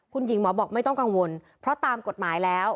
คุณหญิงหมอบอกไม่ต้องกังวลเพราะตามกฎหมายแล้ว